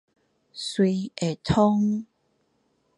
隨會通